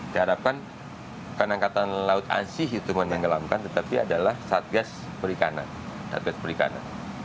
dihadapkan kan angkatan laut ansih itu menenggelamkan tetapi adalah satgas perikanan